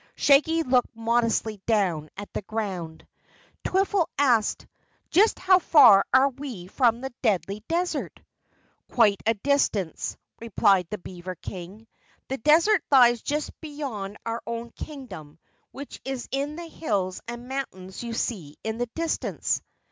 Shaggy looked modestly down at the ground. Twiffle asked: "Just how far are we from this Deadly Desert?" "Quite a distance," replied the beaver King. "The Desert lies just beyond our own Kingdom which is in the hills and mountains you see in the distance."